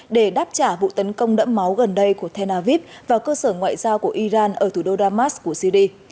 để đáp trả vụ tấn công đẫm máu gần đây của tel aviv vào cơ sở ngoại giao của iran ở thủ đô damas của syri